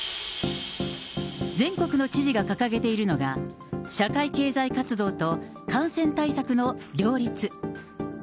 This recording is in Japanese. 全国の知事が掲げているのが、社会経済活動と、感染対策の両立。